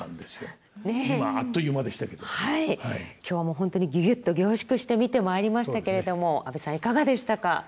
今日も本当にギュギュっと凝縮して見てまいりましたけれども安部さんいかがでしたか？